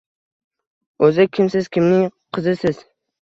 O`zi kimsiz, kimning qizisiz